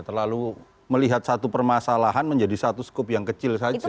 terlalu melihat satu permasalahan menjadi satu skup yang kecil saja